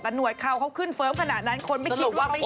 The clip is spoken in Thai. แต่หนวดเขาเค้าขึ้นเฟิร์มขนาดนั้นคนไม่คิดว่าไม่ใช่